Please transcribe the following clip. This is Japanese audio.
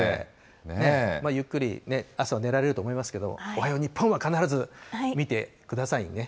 ゆっくり朝寝られると思いますけれども、おはよう日本は必ず見てくださいね。